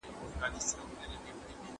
انا په سړه او یخ ځپلي کوټه کې د خدای ذکر کوي.